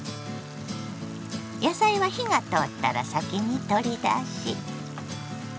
野菜は火が通ったら先に取り出し。